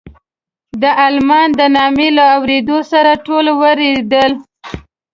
د المان د نامه له اورېدو سره ټول وېرېدل.